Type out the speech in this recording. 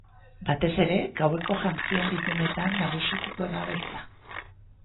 Batez ere, gaueko jantzien bildumetan nagusituko da beltza.